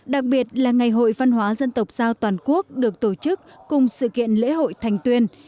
đặc biệt là ngày hội văn hóa dân tộc giao toàn quốc được tổ chức cùng sự kiện lễ hội thành tuyên